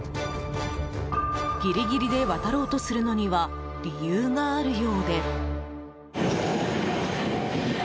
ギリギリで渡ろうとするのには理由があるようで。